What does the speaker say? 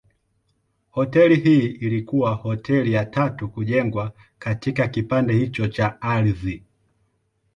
Hoteli hii ilikuwa hoteli ya tatu kujengwa katika kipande hicho cha ardhi.